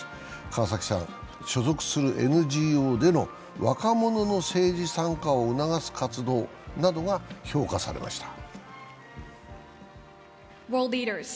川崎さん、所属するＮＧＯでの若者の政治参加を促す活動などが評価されました。